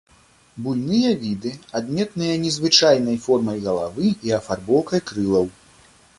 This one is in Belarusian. Буйныя віды, адметныя незвычайнай формай галавы і афарбоўкай крылаў.